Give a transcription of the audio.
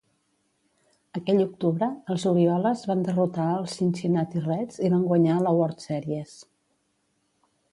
Aquell octubre, els Orioles van derrotar els Cincinnati Reds i van guanyar la World Series.